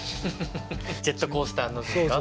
ジェットコースターのですか？